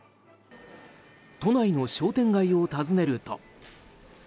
都内の商店街を訪ねると。